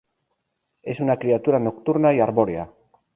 Es una criatura nocturna y arbórea.